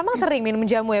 emang sering minum jamu ya